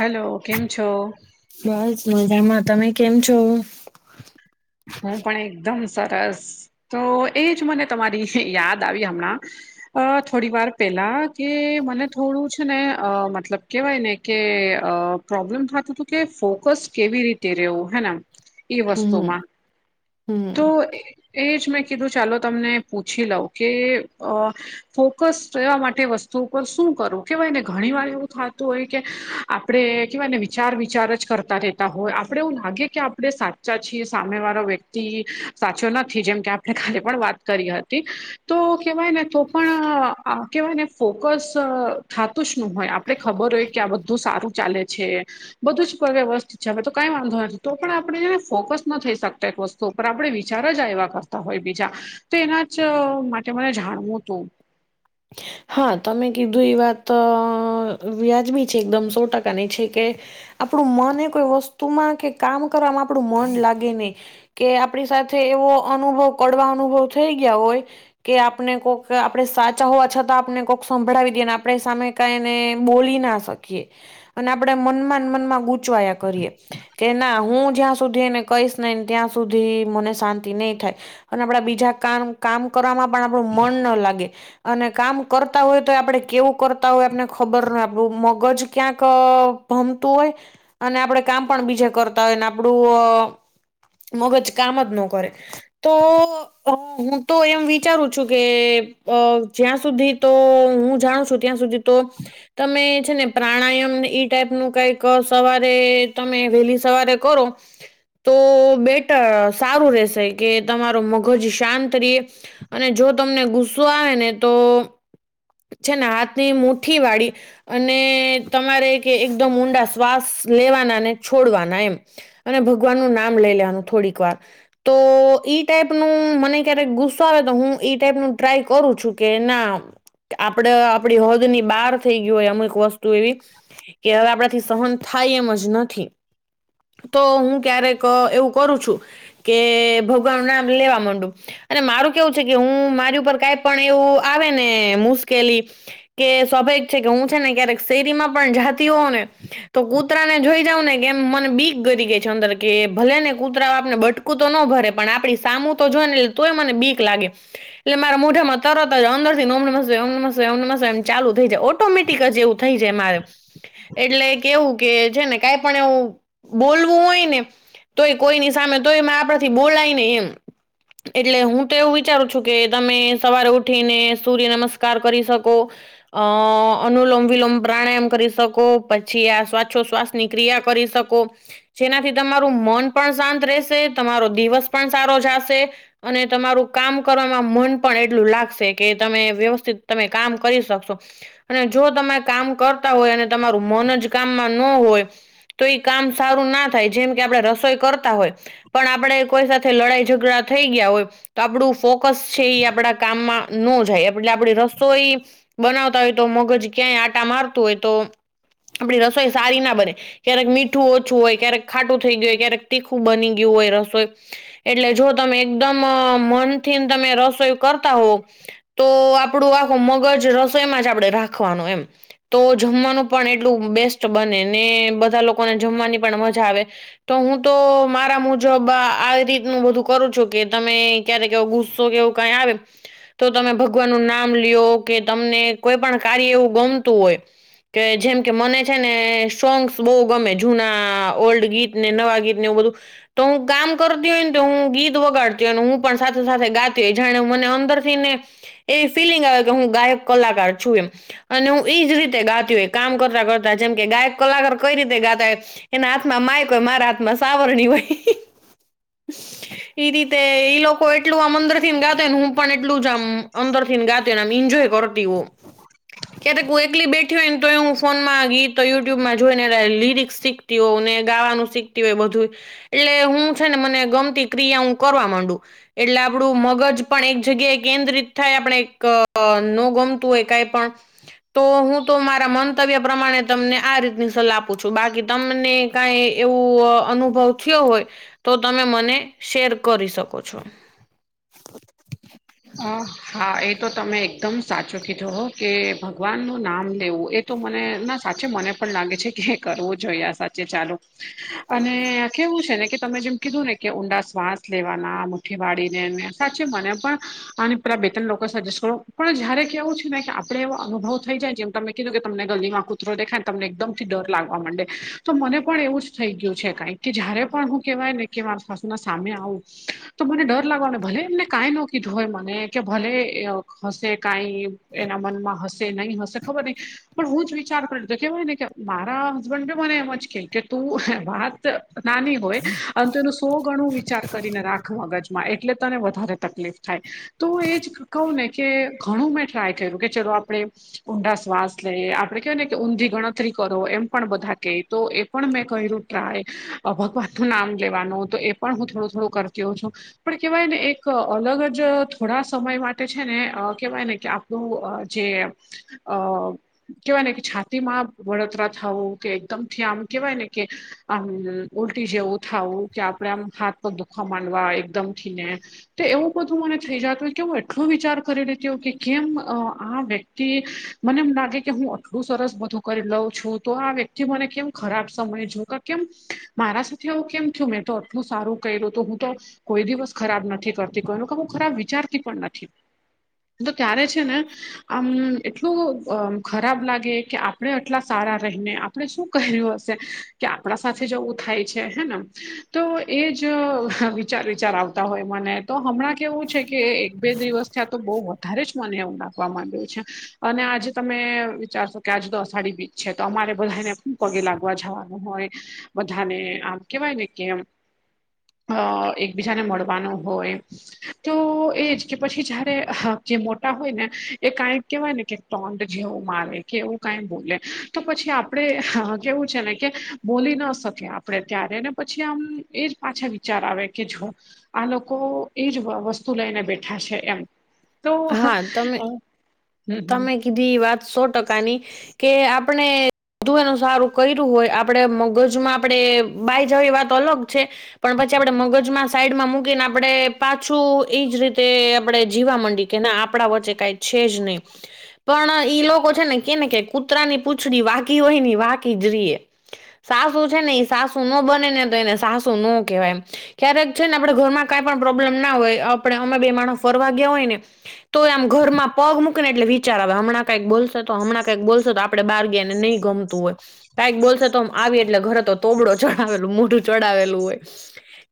Hello કેમ છો? બસ મજામાં તમે કેમ છો? હું પણ એકદમ સરસ તો એજ મને તમારી યાદ આવી હમણાં. અ થોડી વાર પેલા કે મને થોડું છે ને અ મતલબ કેવાય ને કે અ પ્રોબ્લેમ થતું હતું કે ફોકસ કેવી રીતે રેવું હેને એમ? ઈ વસ્તુ હમ ઓમાં હમ તો એ જ મેં કીધું ચાલો તમને પૂછી લઉં કે અ ફોકસ રહેવા માટે વસ્તુ ઉપર શું કરો કેવાયને ઘણી વાર એવું થાતું હોય કે આપણે કહેવાય ને વિચાર વિચાર જ કરતા રહેતા હોય આપણે એવું લાગે કે આપણે સાચા છીએ સામે વાળો વ્ય તી સાચો નથી જેમ કે આપણે કાલે પણ વાત કરી હતી તો કેહેવાય ને તો પણ આ કહેવાય ને ફોકસ થાતું જ નું હોય આપડે ખબર હોય કે આ બધું સારું ચાલે છે બધું જ કર વસ્તછ હ તો કઈ વાંધો નથી તો પણ આપણેને ફોકસ ન થઈ શકતા એક વસ્તુ તો પણ આપણે વિચાર જ આયવા કરતા હોય બીજા તો એના જ માટે મને જાણવું તું હા તમે કીધું એ વાત વ્યાજબી છે એકદમ સો ટકાની છે કે આપણું મને એ કોઈ વસ્તુમાં કે કામ કરવામાં આપણું મન લાગે નહી. કે આપણી સાથે એવો અનુભવ કડવા અનુભવ થઈ ગયા હોય કે આપણે કોઈક આપણે સાચ હોવા છતાં આપને કોઈક સંભળાવી દઈએ ને આપણે સામે કઈને બોલી ના શકીએ અને આપણેે મનમાં ને મનમાં ગૂંચવાયા કરીએ. કે ના હું જ્યાં સુધી એને કહીશ નઈ ને ત્યાં સુધી મને શાંતિ નહી થાય અને આપડા બીજા કામ કામ કરવામાં પણ આપણું મન ન લાગે. અને કામ કરતા હોય તો આપડે કેવું કરતા હોય આપને ખબર ન આપણું મગજ ક્યાંક ભમતું હોય અને આપડે કામ પણ બીજા કરતા હોય ને આપડું અ મગજ કામ જ નો કરે તો હું તો એમ વિચારું છું કે અ જ્યાં સુધી તો હું જાણું છું ત્યાં સુધી તો તમે છે ને પ્રાણાયામને ઈ ટાઈપ નું કઈક સવારે તમે વહેલી સવારે કરો તો બેટર સારું રશે કે તમારો મગજ શાંત રે અને જો તમને ગુસ્સો આવે ને તો છે ને હાથની મુઠી વાળી અને તમારે કે એકદમ ઊંડા શ્વાસ લેવાના ને છોડવાના એમ. અને ભગવાન નું નામ લઈ લેવાનું થોડીક વાર. તો ઈ ટાઈપ નું મને ક્યારેક ગુસ્સો આવે તો હું ઈ ટાઈપ નું ટ્રાય કરું છું. કે ના આપડે આપડી હદ ની બહાર થઈ ગયું હોય અમુક વસ્તુ એવી કે હવે આપણાથી સહન થાય એમ જ નથી. તો હું ક્યારેક એવું કરું છું. કે ભગવાન નામ લેવા માંડુ અને મારું કેવું છે કે હું મારી ઉપર કઈ પણ એવું આવેને મુશ્કેલી કે સ્વાભાવિક છે કે હું છે કે શેરીમાં પણ જા જાતી હવું ને કૂતરા ને જોઈ જાવં ને કે એમ મને બીક ગરી ગઈ છે અંદર કે ભલે ને કૂતરા આપને બટ કું તો ન ભરે પણ આપડી સામું તો જોઈ ને એટલે તોય મને બીક લાગે એટલે મારા મોઢામાં તરત જ અંદર થી ને ઓમ નમ શિવાય, ઓમ નમ શિવાય, ઓમ નમ શિવાય ચાલુ થઈ જાય ઓટોમેટિક જ એવું થાય મારે. એટલે કેવું કે છે ને કઈ પણ એવું બોલવું હોય ને તોય કોઈ ની સામે તોય આપણાથી બોલાય ને એમ. એટલે હું તો એવું વિચારું છું કે તમે સવારે ઉઠીને સૂર્ય નમસ્કાર કરી શકો. અ અનુલોમ વિલોબ પ્રાણાયામ કરી શકો પછી આ સ્વાછો સ્વાથ ની ક્રિયા કરી શકો. જેનાથી તમારું મન પણ શાંત રહેશે તમારો દિવસ પણ સારો જશે અને તમારું કામ કરવામાં મન પણ એટલું લાગશે કે તમે વ્યવસ્થિત તમે કામ કરી શકશો. અને જો તમે કામ કરતા હોય અને તમારું મન જ કામમાં ન હોય. તો એઈ કામ સારું ના થાય જેમ કે આપણે રસોઈ કરતા હોય. પણ આપડ કોઈ સાથે લડાઈ ઝઘડા થઈ ગયા હોય તો આપડું ફોકસ છે, એ આપડા કામમાં ન જાય એટલે આપડી રસોઈ બનાવતા હોય તો મગજ ક્યાંય આટા મારતું હોય તો આપડી રસોઈ સારી ના બને. ક્યારેક મીઠું ઓછું હોય ક્યારેક ખાટું થઈ ગયું હોય ક્યારેક તીખું બની ગયું હોય રસોઈ એટલે જો તમે એકદમ મનથી તમે રસોઈ કરતા હોવ તો આપડું આખું મગજ રસોઈ માં જ આપડે રાખવાનું એમ. તો જમવાનું પણ એટલું બેસ્ટ બને ને બધા લોકોને જમવાની પણ મજા આવે. તો હું તો મારા મુજબ આવી રીતનું બધું કરું છું કે તમે ક્યારે કેવો ગુસ્સો કેવું કઈ આવે તો તમે ભગવાન નું નામ લ્યો કે તમને કોઈ પણ કાર્ય એવું ગમતું હોય. કે જેમ કે મને છે ને સોંગ્સ બહુ ગમે જૂના ઓલ્ડ ગીત ને નવા ગીત ને એવું બધું તો હું કામ કરતી હોય ને હું ગીત વગાડતી હોય અને હું પણ સાથે સાથે ગાતી હોય જાણે મને અંદર થી ને એવી ફિલિંગ આવે કે હું ગાયક કલાકાર છું એમ. અને હું એજ રીતે ગાતી હોય કામ કરતા કરતા જેમ કે ગાયક કલાકાર કઈ રીતે ગાતા હોય. એના હાથમાં માયક હોય મારા હાથમાં સાવરણી હોય. એઈ રીતે ઈ લોકો એટલું આમ અદર થી ને ગાતો ને હું પણ એટું જ આમ અદરથી ને ગાતી એન્જોય કરતી હો ક્યારેક એકલી બે હોય ને તો હું ફોનમાં ગીત યુટ્યુબમાં જોઈ ને લિરિક્સ શીખતી હોય ને ગાવાનું શીખતી હોય બધું. એટલે હું છે ને મને ગમતી ક્રિયા હું કરવા માંડુ એટલે આપડું મગજ પણ એક જગ્યાએ કેન્દ્રિત થાય આપણે નો ગમતું હોય કઈ પણ તો હું તો મારા મંતવ્ય પ્રમાણે તમને આ રીતની સલાહ આપું છું બાકી તમને કઈ એવું અનુભવ થયો હોય તો તમે મને શેર કરી શકો છો. અ હા એ તો તમે એકદમ સાચું કીધું હો કે ભગવાનનું નામ લેવું એ તો મને ના સાચે મને પણ લાગે છે કે કરવું જોઈએ આ સાચે ચાલુ અને કેવું છે ને કે તમે જેમ કીધું ને કે ઊંડા શ્વાસ લેવાના મુઠ્ઠી વાડીને સાચે મને પણ આ પેલા બે ત્રણ લોકો સજેસ્ટ કરો પણ જયારે કેવું છે ને કે આપે એવો અનુભવ થઈ જાય જેમ તમે કીધું કે તમને ગલ્દી માં કુ કુતરો દેખાય તમને એકદમ થી ડર લાગવા માંડે તો મને પણ એવું જ થઈ ગયું છે કક કે જયારે પણ હું કેહેવાય ને કે આસ પાસ ના સામે આવું તો મને ડર લાગવા ને ભલે એમને કઈ નો જોય મને કે ભલે હશે કઈ એના મનમાં હશે નહીં હશે ખબર નઈ પણ હું જ વિચાર કરધ કેવાય ને કે મારા હસબન્ડ મને એમ જ કે કે તું વાત નાની હોય અને તેનું સો ગણું વિચાર કરીને રાખ મગજમાં એટલે તને વધારે તકલીફ થાય તો એ જ કહું ને કે ઘણું મેં ટ્રાય કર્યું કે ચલો આપણે ઊંડા શ્વાસ લે આપડે કેવાય ને કે ઊંધી ગણતરી કરો એમ પણ બધા કે તો પણ મેં કર્યું ટ્રાય ભગવાન નું નામ લેવાનું તો એ પણ હું થોડું થોડું કરતી હો છું. પણ કેવાય ને એક અલગ જ થોડા સમય માટે છે ને કેહેવાય ને કે આપણું જે અ કેવાય ને કે છાતીમાં વળતરા થવું કે એકદમથી આમ કેવાય ને કે. આમ ઉલટી જેવું થાવું કે આપડે આમ હાથ પર દુખવા માંડવા એકદમ થી ને તે એવું. બધું મને થઈ જતું હોય કે હું એટલો વિચાર કરી લેતી હો કે કેમ આ વ્યક્તિ મને એમ લાગે કે હું આટલું સરસ બધું કરી લઉં છું તો આ વ્યક્તિ મને કેમ ખરાબ સમય જો કેમ મારા સાથે એવું કેમ થયું મેં તો આટલું સારું કરલું હતું હું તો કોઈ દિવસ ખરાબ નથી કરતી કોઈનું કું ખરાબ વિચારતી પણ નથી તો ત્યારે છે ને આમ એટલું ખરાબ લાગે કે. આપણે એટલા સારા રહીને આપણે શું ક્યું હશે કે આપણા સાથે જવું થાય છે હે ન તો એ જ વિચાર વિચાર આવતા હોય મને તો હમણાં કેવું છે કે એક બે દિવસ થયા તો બહુ વધારે જ મને એવું નાખવા માંણડઆવ્યું છે અને આજે તમે વિચારશો કે આજુ તો અષાઢી બીજ છે તો અમારે બધાને પગે લાગવા જવાનું હોય બધાને આમ કેવાય ને કે આમ એકબીજાને મળવાનું હોય. તો એજ કે પછી જયારે જે મોટા હોય ને એ કઈક કેહેવાય ને કે ટોન્ડ જેવું મારે કે એવું કઈ બોલે તો પછી આપડે કેવું છે ને કે બોલી ના શકે આપડે ત્યારે અને પછી આમ એજ પાછા વિચાર આવે કે જો આ લોકો એજ વસ્તુ લઈને બેઠા છે એમ તો હા તમે હમ તમે કીધી એ વાત સો ટકાની કે આપણે બધું એનું સારું કર્યું હોય આપડે મગજમાં આપડે બાયજવી વાત અલગ છે પણ પછી આપડે મગજમાં સાઈડમાં મૂકીને આપણે પાછું એ જ રીતે આપણે જીવા માંડીએ કે ના આપણા વચ્ચે કાંઈ છે જ નહીં [inaudible] પણ ઈ લોકો છે ને કેને કે કૂતરા ની પૂંછડી વાકી હોય ની વાકી જ રએ સાસુ છે ને એ સાસુ નો બને ને તો એને સાસુ નો કહેવાય ક્યારેક છે ને આપડણે ઘર માં કઈ પણ પ્રોબ્લેમ ના હોય આપણે અમે બે માણસ ફરવા ગયા હોય ને તો એ આમ ઘરમાં પગ મૂકીને એટલે વિચાર આવે હમણાં કંઈક બોલશે તો હમણાં કંઈક બોલશે તો આપ આપ બારગને નહી ગમતું હોય કઈક બોલસે તો આવી એટલે ઘરે તો તોબડો ચડાવેલું મોઢું ચડાવેલું હોય.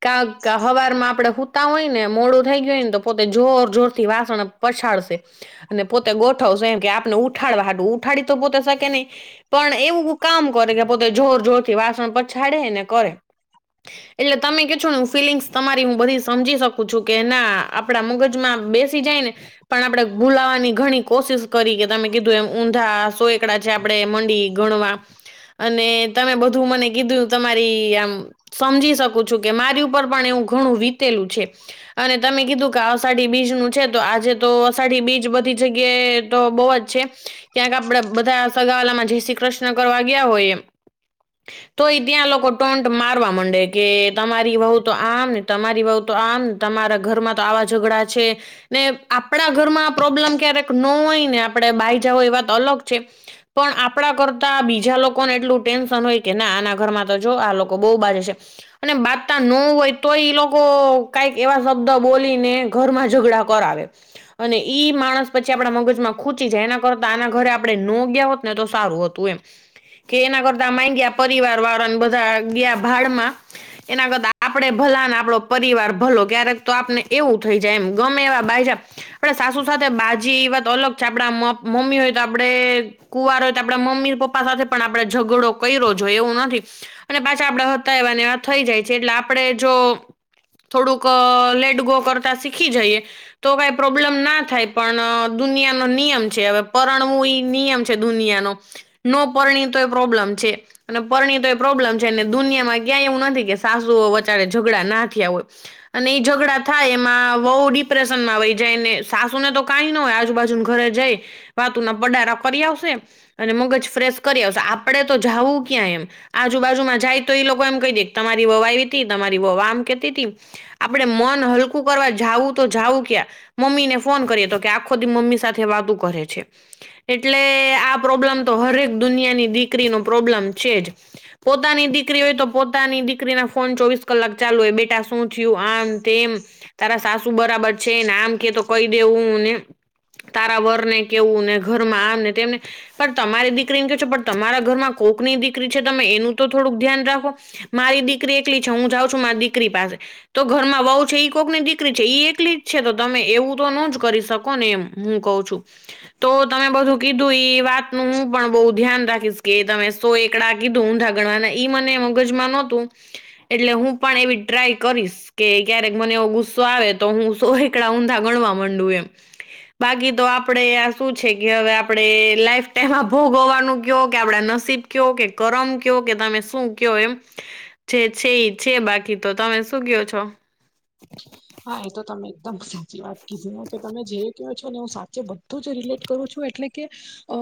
કાક હવાર માં આપડે હૂતા હોય ને મોડું થઈ ગય હોય ને તો પોતે જોર જોર થી વાસણ પછાડશે અને પોતે ગોઠવશે એમ કે આપને ઉઠાડવા ઉઠાડી તો પોતે શકે નહી પણ એવું હુ કામ કરે કે પોતે જોર જોરથી વાસણ પછાડે ને કરે [inaudible] એટલે તમે કે છો ફિલિંગ્સ તમારી હું બધી સમજી શકું છું કે ના આપણા મગજમાં બેસી જાય ને પણ આપણેે ભુલાવા ઘણી કોશિશ કરી કે તમે કીધું એ ઊંધા સો એકડા છે આપણે મંડી ગણવા. અને તમે બધું મને કીધું તમારી આમ. સમજી શકું છું કે મારી ઉપર પણ એવું ઘણું વીતેલું છે. અને તમે કીધું કે અષાઢી બીજ નું છે તો આજે તો અષાઢી બીજ બધી. જગ્યા તો બહુ જ છે, ક્યાંક આપડે બધા, સગાવાલા માં જય શ્રી કૃષ્ણ કરવા ગયા હોય એમ [inaudible] તો એ ત્યાં લોકો ટોન્ટ મારવા માંડે કે તમારી બઉ તો આમ, ને તમારી બઉ તો આમ. તમારા ઘરમાં તો આવા ઝઘડા છે, ને આપણા ઘરમાં પ્રોબ્લેમ ક્યારેક ન હોય ને આપડે બાઈજા હોય એ વાત અલગ છે. પણ આપણા કરતા બીજા લોકોને એટલું ટેન્શન હોય કે ના આના ઘરમાં તો જો આ લોકો બહુ બાજે છે. અને બાજતા ન હોય તોય ઈ લોકો કાઈક એવા શબ્દ બોલીને ઘરમાં ઝઘડા કરાવે, અને ઈ માણસ પછી આપણા મગજમાં ખૂચી જાય એના કરતા આના ઘરે આપડણે ન ગ્યા હોત ને તો સારું હતું એમ. કે એના કરતા માય ગ્યા પરિવાર વારાને બધા ગ્યા ભાડમાં. એના કરતા આપણે ભલા ને આપડો પરિવાર ભલો. ક્યારેક તો આપને એવું થઈ જાય એમ ગમે એવા બીઈજા આપડે સાસુ સાથે બાજી એ વાત અલગ છે, આપડા મ મમ્મી હોય તો આપડે કુવારો હોય તો આપડે મમ્મી પપ્પા સાથે પણ આપડે ઝઘડો કૈરો જ હોઈ એવું નથી અને પાછા આપડા હતા એવા ને એવા થઈ જાય છે, એટલે આપડે જો થોડુંક લેટ ગો કરતા શીખી જઈએ તો કઈ પ્રોબ્લેમ ના થાય પણ દુનિયા નો નિયમ છે હવે પરણવું ઈ નિયમ છે દુનિયાનો. ન પરણી તો એ પ્રોબ્લેમ છે. અને પરણીયે તો એ પ્રોબ્લેમ છે, ને દુનિયામાં ક્યાં એવું નથી કે સાસુઓ વચારે ઝઘડા ના થ્યાં હોય. અને એ ઝઘડા થાય એમાં વઉ ડિપ્રેશન માં વહી જાય ને સાસુ ને તો કાઈ ના હોય આજુબાજુને ઘરે જઈ વાતુ ના પડારા કરી આવશે. અને મગજ ફ્રેશ કરી આવશે. આપડે તો જાવું ક્યાં એમ. આજુબાજુમાં જાય તો એ લોકો એમ કહી દે ક તમારી વઉ આઈવી તી, તમારી વઉ આમ કેતી તી. આપડે મન હલકું કરવા જાવું તો જાવું ક્યાં મમ્મી ને ફોન કરીએ તો કે આખો મમ્મી સાથે વાતું કરે છે. એટલે આ પ્રોબ્લેમ તો હરેક દુનિયાની દીકરીનો પ્રોબ્લેમ છે જ. પોતાની દીકરી હોય તો પોતાની દીકરી ના ફોન ચોવીસ કલાક ચાલુ હોય બેટા શું થયું આમ તેમ, તારા સાસુ બરાબર છે, ને આમ કે તો કહી દેવું ને તારા વર ને કેવું ને ઘરમાં આ ને તેમ ને પણ તમારી દીકરીને ક્યો છો પણ તમારા ઘરમાં કોકની દીકરી છે તમે એનું તો થોડુંક ધ્યાન રાખો. મારી દીકરી એકલી છે હું જાઉં છું મારી દીકરી પાસે. તો ઘરમાં વઉ છે, ઈ કોક ની દીકરી છે એકલી જ છે તો તમે એવું તો નો જ કરી શ કોને એમ હું કઉ છું. તો તમે બધું કીધું ઈ વાત નું હું પણ બઉ ધ્યાન રાખીશ. કે તમે સો એકડા કીધું ઊંધા ગણવાના ઈ મને મગજમાં નહતું એટલે હું પણ એવી ટ્રાય કરીશ. કે ક્યારેક મને એવો ગુસ્સો આવે તો હું સો એકડા ઊંધા ગણવા માંડું એમ. [inaudible] બાકી તો આપડે આ શું છે, કે હવે આપડે લાઈફ ટાઈમમાં ભોગ હોવાનું ક્યો કે આપડા નસીબ ક્યો, કે કરમ ક્યો, કે તમે શું ક્યો એમ. જે છે ઈ છે, બાકી તો તમે શું ક્યો છો? હા એ તો તમે એકદમ સાચી વાત કીધી ને કે તમે જે ક્યો છો ને હું સાચે બધું જ રિલેટ કરું છું એટલે કે અ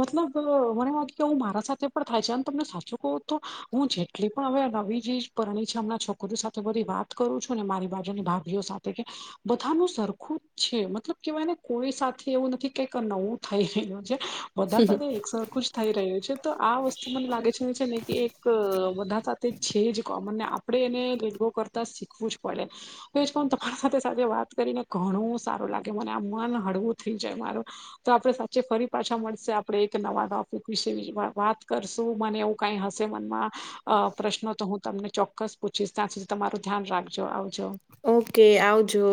મતલબ મને વાત કે હું મારા સાથે પણ થાય છે એમ તમને સાચું કહું તો હું જેટલી પણ હવે નવી જે પરણી છે હમડા છોક [unintelligible] સાથે બધી વાત કરું છું ને મારી બાજુની ભાભીઓ સાથે કે બધાનું સરખું જ છે મતલબ કેવાય ને કોઈ સાથે એવું નથી કક નવું થઈ રહ્યું છે. વધા તા તે એક સરખુજ થઈ રહ્યો છે, તો આ વસ્તુ મને લાગે છે એ છે ને કે એક બધા સાથે છે જ કોમન ને આપણે એને લેટગો કરતાં શીખવું જ પડે. [unintelligible] તમારી સાથે-સાથે વાત કરીને ઘણું સારું લાગે મને, આમ મન હળવું થઈ જાય મારું. તો આપણે સાચે ફરી પાછા મળશે, આપણે એક નવા ટોપિક વિશે વાત કરશું મને એવું. કઈ હશે મનમાં અ પ્રશ્નો તો હું તમને ચોક્કસ પૂછીશ ત્યાં સુધી તમારું ધ્યાન રાખજો, આવ જો. ઓ કે આવજો.